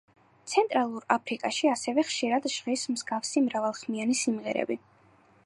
ცენტრალურ აფრიკაში ასევე ხშირად ჟღერს მსგავსი მრავალხმიანი სიმღერები.